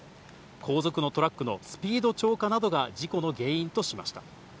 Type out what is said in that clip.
後続のトラックのスピード超過などが事故の原因としました。